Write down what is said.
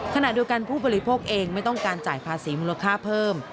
ขณะเดียวกันผู้บริโภคเองไม่ต้องการจ่ายภาษีมูลค่าเพิ่ม